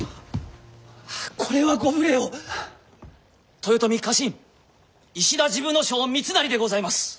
豊臣家臣石田治部少輔三成でございます。